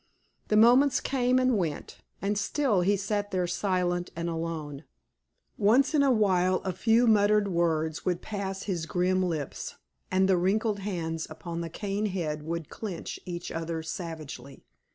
The moments came and went, and still he sat there silent and alone; once in awhile a few muttered words would pass his grim lips, and the wrinkled hands upon the cane head would clinch each other savagely.